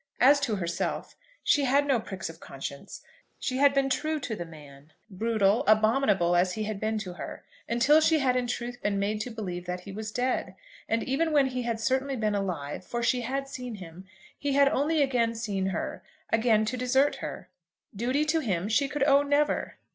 As to herself, she had no pricks of conscience. She had been true to the man, brutal, abominable as he had been to her, until she had in truth been made to believe that he was dead; and even when he had certainly been alive, for she had seen him, he had only again seen her, again to desert her. Duty to him she could owe never.